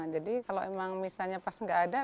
jadi kalau emang misalnya pas nggak ada